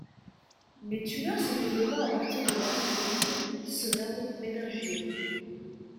Les tumeurs se développant à partir de l'arachnoïde se nomment Méningiome.